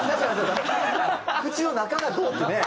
口の中がどうってね。